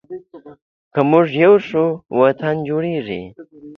که مونږ یو شو، وطن جوړیږي.